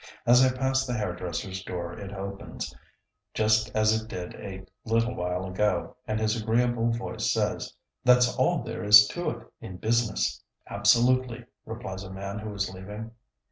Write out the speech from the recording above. As I pass the hairdresser's door it opens, just as it did a little while ago, and his agreeable voice says, "That's all there is to it, in business." "Absolutely," replies a man who is leaving.